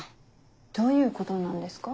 どういうことなんですか？